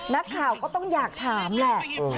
นักข่าวก็ต้องอยากถามแหละ